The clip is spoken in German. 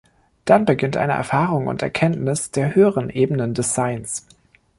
Dann beginnt eine Erfahrung und Erkenntnis der höheren Ebenen des Seins.